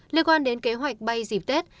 liên quan đến kế hoạch bay dịp tết